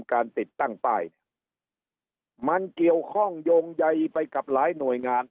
การติดตั้งป้ายเนี่ยมันเกี่ยวข้องโยงใยไปกับหลายหน่วยงาน